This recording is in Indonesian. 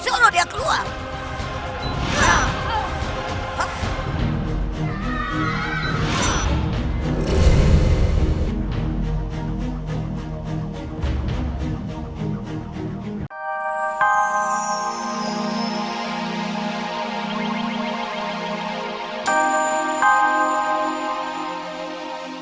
suruh dia datang